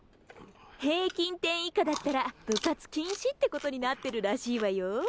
平均点以下だったら部活禁止ってことになってるらしいわよ。